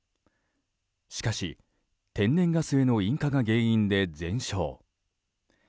しかし、天然ガスへの引火が原因で全焼。